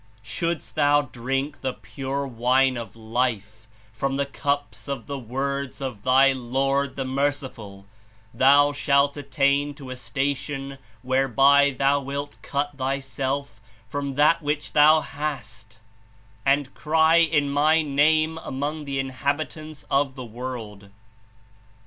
"Shouldst thou drink the pure wine of Life from the cups of the Words of thy Lord, the Merciful, thou shalt attain to a station whereby thou wilt cut thyself from that which thou hast and cry in My Name among the Inhabitants of the world.